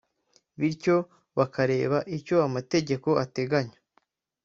bityo bakareba icyo amategeko ateganya